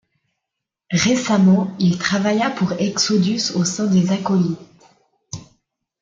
Récemment, il travailla pour Exodus au sein des Acolytes.